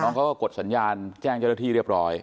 เขาก็กดสัญญาณแจ้งเจ้าหน้าที่เรียบร้อย